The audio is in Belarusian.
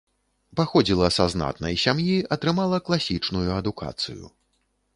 Паходзіла са знатнай сям'і, атрымала класічную адукацыю.